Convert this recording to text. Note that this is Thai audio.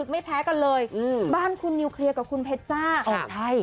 ไม่แพ้กันเลยอืมบ้านคุณนิวเคลียร์กับคุณเพชรจ้าอ๋อใช่